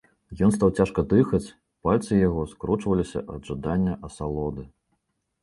Ён стаў цяжка дыхаць, пальцы яго скручваліся ад жадання асалоды.